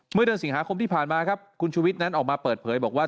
เมื่อเดือนสิงหาคมที่ผ่านมาครับคุณชุวิตนั้นออกมาเปิดเผยบอกว่า